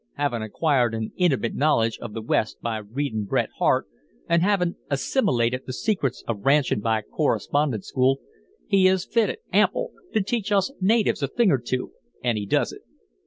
Havin' acquired an intimate knowledge of the West by readin' Bret Harte, and havin' assim'lated the secrets of ranchin' by correspondence school, he is fitted, ample, to teach us natives a thing or two and he does it.